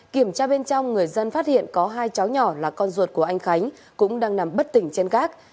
kiểm tra bên trong người dân phát hiện có hai cháu nhỏ là con ruột của anh khánh cũng đang nằm bất tỉnh trên gác